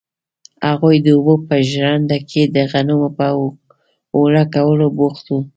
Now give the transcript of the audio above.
هغوی د اوبو په ژرنده کې د غنمو په اوړه کولو بوخت وو.